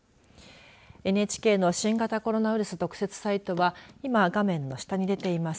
ＮＨＫの新型コロナウイルス特設サイトは今、画面の下に出ています